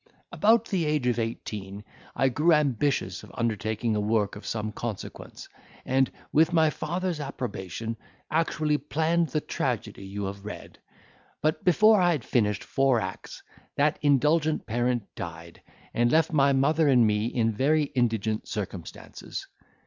"About the age of eighteen, I grew ambitious of undertaking a work of some consequence; and, with my father's approbation, actually planned the tragedy you have read; but, before I had finished four acts, that indulgent parent died, and left my mother and me in very indigent circumstances.